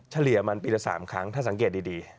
เฉลี่ยมันปีละ๓ครั้งถ้าสังเกตดี